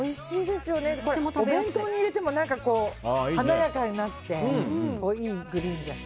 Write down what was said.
お弁当に入れても華やかになって、いいグリーンで。